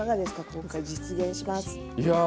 今回実現しまして。